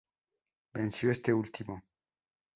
Venció este último.